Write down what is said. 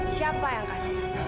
siapa yang kasih